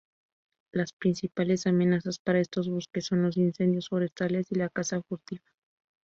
Las principales amenazas para estos bosques son los incendios forestales y la caza furtiva.